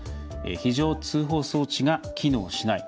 非常通報装置が機能しない。